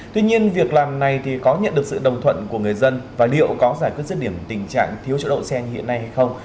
tuy nhiên việc làm này có nhận được sự đồng thuận của người dân và liệu có giải quyết dứt điểm tình trạng thiếu chỗ đậu xe hiện nay hay không